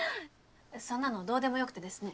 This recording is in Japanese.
そんなのどうでもよくてですね。